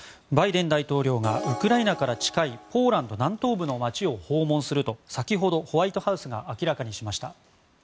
バイデン大統領がウクライナから近いポーランド南東部の街を訪問すると先ほどホワイトハウスが明らかにしました。